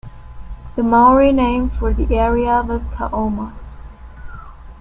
The Maori name for the area was Tauoma.